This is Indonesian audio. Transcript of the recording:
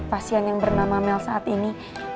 pasien yang bernama mel saat ini